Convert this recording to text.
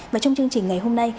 và trong chương trình ngày hôm nay